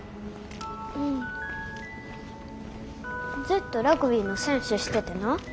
ずっとラグビーの選手しててな。